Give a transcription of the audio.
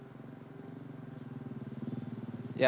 bagaimana perkembangan di polda metro jaya hari ini